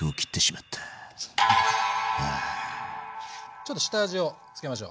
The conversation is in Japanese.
ちょっと下味を付けましょう。